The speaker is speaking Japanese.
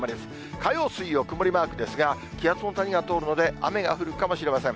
火曜、水曜、曇りマークですが、気圧の谷が通るので、雨が降るかもしれません。